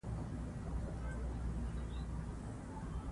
الله تعالی په قرآن کې د پوهانو ستاینه کړې ده.